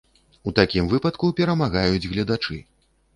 У такім выпадку перамагаюць гледачы.